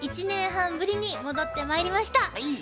１年半ぶりに戻ってまいりました。